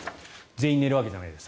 全員寝るわけではないです。